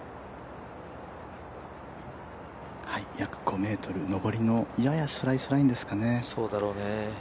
約５ｍ、上りのややスライスラインですかね。